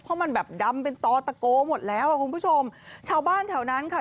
เพราะมันแบบดำเป็นตอตะโกหมดแล้วอ่ะคุณผู้ชมชาวบ้านแถวนั้นค่ะ